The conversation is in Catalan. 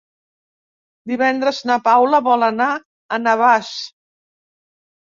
Divendres na Paula vol anar a Navàs.